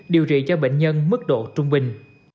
điều trị cho bệnh nhân mức độ trung bình